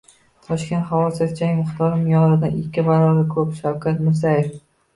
Toshkent havosida chang miqdori me’yoridan ikki baravar ko‘p – Shavkat Mirziyoyev